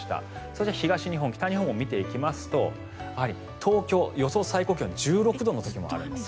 そして東日本、北日本も見ていきますと東京、予想最高気温１６度の日もあるんです。